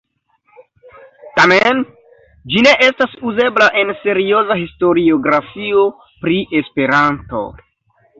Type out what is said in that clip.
Tamen, ĝi ne estas uzebla en serioza historiografio pri Esperanto.